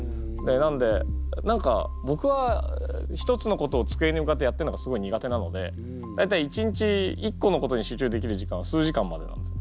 なんで何かぼくは一つのことをつくえに向かってやってるのがすごい苦手なので大体一日一個のことに集中できる時間は数時間までなんですよ。